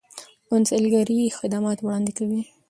کونسلګرۍ خدمات وړاندې کوي